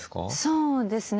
そうですね。